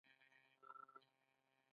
د جلال اباد یو شمېر درمل پلورونکي مني چې